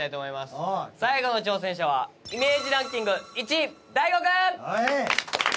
最後の挑戦者はイメージランキング１位大吾くん！